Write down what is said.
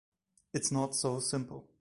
It’s not so simple.